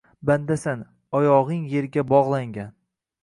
Bandasan, oyog’ing yerga bog’langan!